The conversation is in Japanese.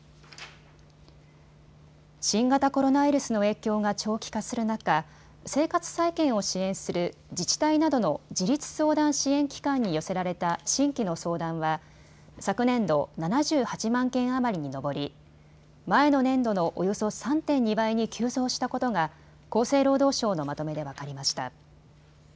新型コロナウイルスの影響が長期化する中、生活再建を支援する自治体などの自立相談支援機関に寄せられた新規の相談は昨年度、７８万件余りに上り、前の年度のおよそ３．２倍に急増したことが厚生労働省のまとめで分かりました。